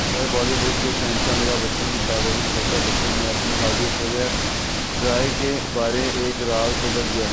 Mumbai Bollywood کے شہنشاہ امیتابھبچن کی صاحبزادی شویتا بچن نے اپنی بھابھی ایشوریا کے بارے ایک راز اگل دیا ہے